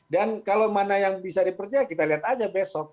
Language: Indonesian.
dan kalau mana yang bisa dipercaya kita lihat aja besok